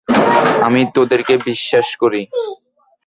আমি তোমাদেরকে বিশ্বাস করি।